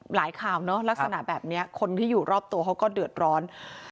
ข่าวเนอะลักษณะแบบนี้คนที่อยู่รอบตัวเขาก็เดือดร้อน